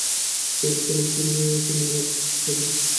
ভেবেছিলাম তুমি আমার বন্ধু।